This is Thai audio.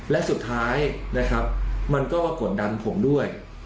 และสุดท้ายนะครับมันก็มากดดันผมด้วย